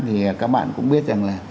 thì các bạn cũng biết rằng là